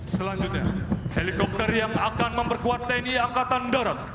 selanjutnya helikopter yang akan memperkuat tni angkatan darat